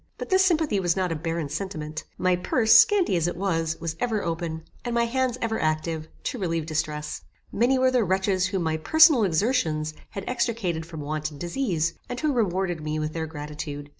But this sympathy was not a barren sentiment. My purse, scanty as it was, was ever open, and my hands ever active, to relieve distress. Many were the wretches whom my personal exertions had extricated from want and disease, and who rewarded me with their gratitude.